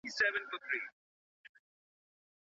مخکي ئې حديث اوسند ذکر سوي دي.